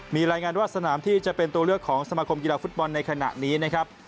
มีรายงานว่าสนามที่จะเป็นตัวเลือกของสมาคมกีฬาฟุตบอลในขณะนี้นะครับ